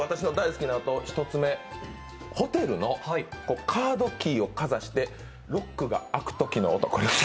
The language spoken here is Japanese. まず１つ目、日常生活で聞く私の大好きな音１つ目、ホテルのカードキーをかざしてロックが開くときの音。